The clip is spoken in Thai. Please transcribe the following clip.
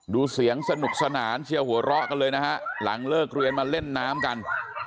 ดูเสียงสนุกสนานเชียร์หัวเราะกันเลยนะฮะหลังเลิกเรียนมาเล่นน้ำกัน